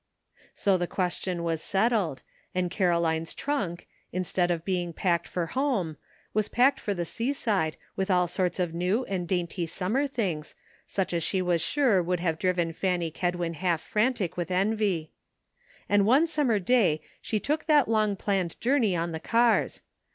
So the question was settled, and Caroline's ANOTHER '' SIDE TRACK." 358 trunk, instead of being packed for home, was packed for the seaside with all sorts of new and dainty summer things, such as she was sure would have driven Fanny Kedwin half frantic with envy. And one summer day she took that long planned journey on the cars.